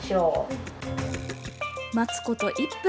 待つこと１分。